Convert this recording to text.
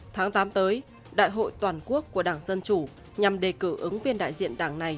tháng tám tới đại hội toàn quốc của đảng dân chủ nhằm đề cử ứng viên đại diện đảng này